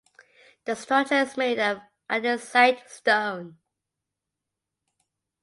The structure is made of andesite stone.